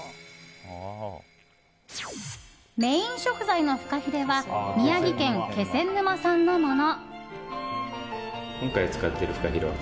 メイン食材のフカヒレは宮城県気仙沼産のもの。